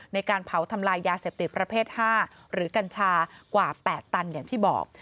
ในการเผาทำลายยาเสพติดประเภท๕หรือกัญชากว่า๘ตันอย่างที่บอก